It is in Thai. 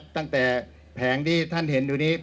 ตั้งแต่แผงที่ท่านเห็นอยู่นี้